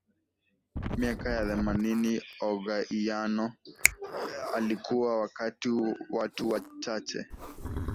miaka ya themanini O Goiano alikuwa kati ya watu wachache